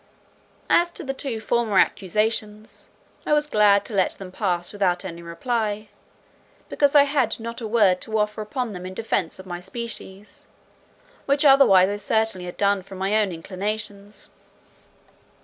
As to the two former accusations, I was glad to let them pass without any reply, because I had not a word to offer upon them in defence of my species, which otherwise I certainly had done from my own inclinations.